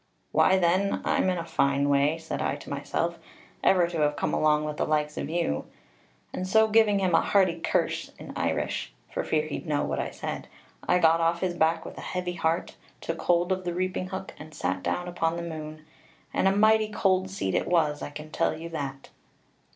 'Why, then, I'm in a fine way,' said I to myself, 'ever to have come along with the likes of you;' and so giving him a hearty curse in Irish, for fear he'd know what I said, I got off his back with a heavy heart, took hold of the reaping hook, and sat down upon the moon, and a mighty cold seat it was, I can tell you that.